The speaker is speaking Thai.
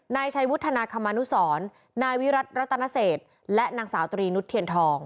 นายชัยวุฒนาคมานุสรนายวิรัติรัตนเศษและนางสาวตรีนุษย์เทียนทอง